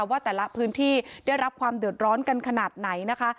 ว่าแต่ละพื้นที่ได้รับความเดือดร้อนกันขนาดไหนนะคะ